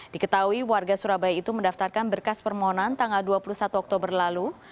diketahui warga surabaya itu mendaftarkan berkas permohonan tanggal dua puluh satu oktober lalu